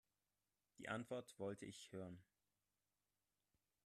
Die Antwort wollte ich hören.